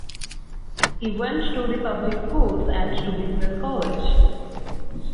He went to the public schools and to business college.